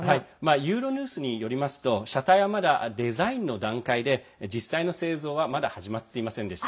ユーロニュースによりますと車体は、まだデザインの段階で実際の製造はまだ始まっていませんでした。